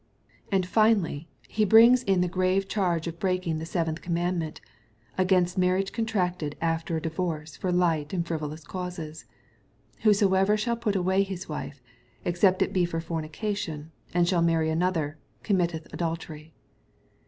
— And finally He brings in the grave charge of breaking the seventh com mandment, against marriage contracted after a divorce for light and frivolous causes :" Whosoever shall put away his wife, except it be for fornication, and shaU marry another, committeth adultery."